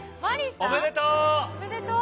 おめでとう！